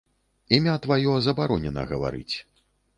Імя тваё забаронена гаварыць.